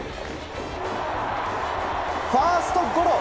ファーストゴロ。